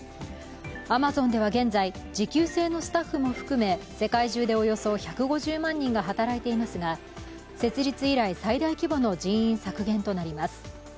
アマゾンでは現在、時給制のスタッフも含め世界中でおよそ１５０万人が働いていますが設立以来最大規模の人員削減となります。